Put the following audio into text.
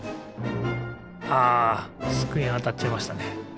あつくえにあたっちゃいましたね。